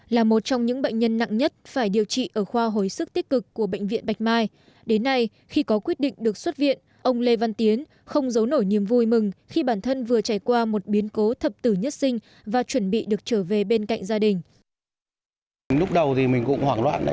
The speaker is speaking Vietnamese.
là một trong những bệnh nhân nặng nhất phải điều trị ở khoa hồi sức tích cực của bệnh viện bạch mai đến nay khi có quyết định được xuất viện ông lê văn tiến không giấu nổi niềm vui mừng khi bản thân vừa trải qua một biến cố thập tử nhất sinh và chuẩn bị được trở về bên cạnh gia đình